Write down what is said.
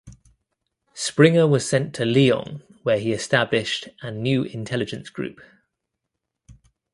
Springer was sent to Lyon where he established an new intelligence group.